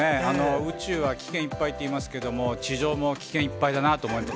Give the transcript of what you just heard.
宇宙は危険いっぱいといいますけれども、地上も危険いっぱいだなと思います。